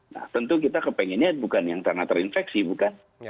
nah tentu kita kepengennya bukan yang karena terinfeksi bukan